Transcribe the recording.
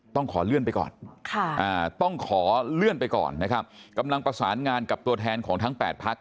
ต้องขอเลื่อนไปก่อนต้องขอเลื่อนไปก่อนนะครับกำลังประสานงานกับตัวแทนของทั้ง๘พัก